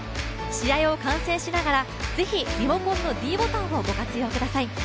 試合を観戦しながら、リモコンのｄボタンをご活用ください。